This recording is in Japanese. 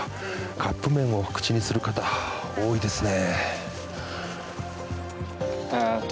カップ麺を口にする方が多いですね。